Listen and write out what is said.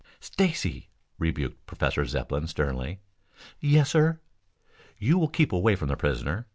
"Stacy!" rebuked Professor Zepplin sternly. "Yes, sir?" "You will keep away from the prisoner.